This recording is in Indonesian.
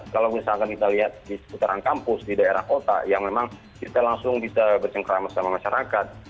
kalau misalkan kita lihat di seputaran kampus di daerah kota ya memang kita langsung bisa bercengkrama sama masyarakat